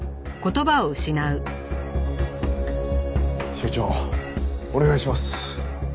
署長お願いします。